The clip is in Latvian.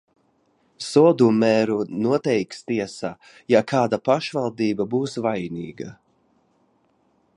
Soda mēru noteiks tiesa, ja kāda pašvaldība būs vainīga.